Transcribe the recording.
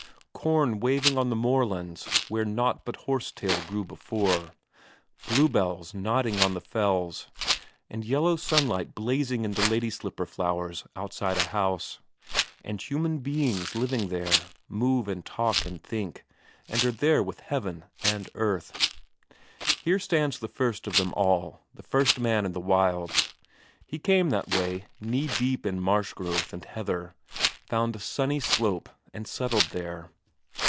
Corn waving on the moorlands where naught but horsetail grew before, bluebells nodding on the fells, and yellow sunlight blazing in the ladyslipper flowers outside a house. And human beings living there, move and talk and think and are there with heaven and earth. Here stands the first of them all, the first man in the wilds. He came that way, kneedeep in marsh growth and heather, found a sunny slope and settled there.